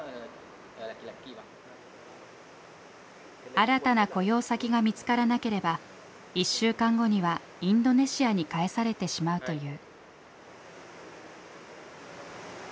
新たな雇用先が見つからなければ１週間後にはインドネシアに帰されてしまうという。